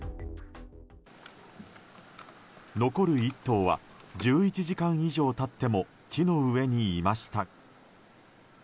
残る１頭は１１時間以上経っても木の上にいました。